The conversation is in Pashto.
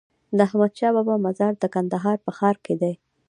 د احمدشاهبابا مزار د کندهار په ښار کی دی